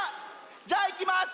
じゃあいきます。